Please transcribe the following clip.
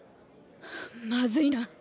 まずいな。